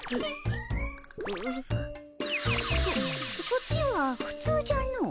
そそっちはふつうじゃのう。